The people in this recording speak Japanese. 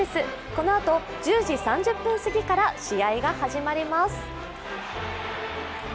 このあと１０時３０分すぎから試合が始まります。